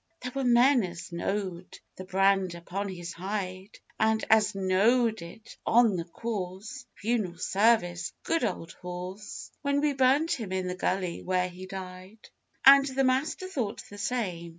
There were men 'as knowed the brand upon his hide,' And 'as knowed it on the course'. Funeral service: 'Good old horse!' When we burnt him in the gully where he died. And the master thought the same.